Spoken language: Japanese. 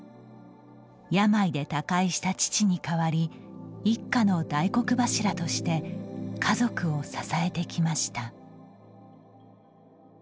病で他界した父に代わり一家の大黒柱として家族を支えてきました。